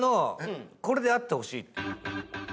これであってほしいっていうね。